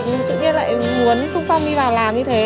nhưng mà tự nhiên lại muốn xung phong đi vào làm như thế